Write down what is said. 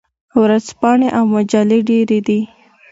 ورځپاڼې او مجلې ډیرې دي.